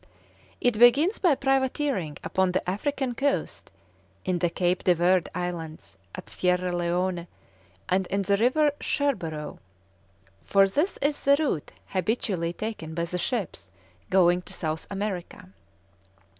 It begins by privateering upon the African coast, in the Cape de Verd Islands, at Sierra Leone, and in the River Scherborough, for this is the route habitually taken by the ships going to South America.